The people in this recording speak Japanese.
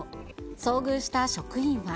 遭遇した職員は。